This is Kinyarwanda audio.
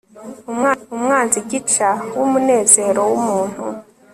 umwanzi gica wumunezero wumuntu